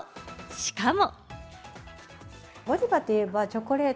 しかも。